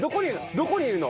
どこにいるの？